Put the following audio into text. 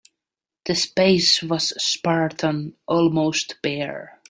The space was spartan, almost bare.